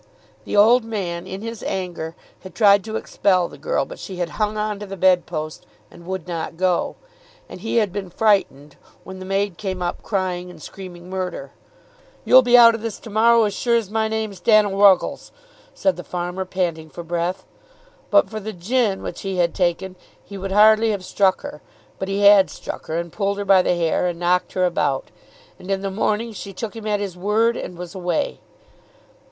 The old man in his anger had tried to expel the girl; but she had hung on to the bed post and would not go; and he had been frightened, when the maid came up crying and screaming murder. "You'll be out o' this to morrow as sure as my name's Dannel Ruggles," said the farmer panting for breath. But for the gin which he had taken he would hardly have struck her; but he had struck her, and pulled her by the hair, and knocked her about; and in the morning she took him at his word and was away.